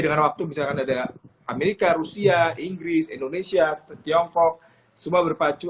dengan waktu misalkan ada amerika rusia inggris indonesia tiongkok semua berpacu